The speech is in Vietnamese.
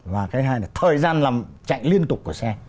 và cái hai là thời gian làm chạy liên tục của xe